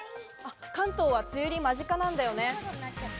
関東は梅雨入り間近なんだよね。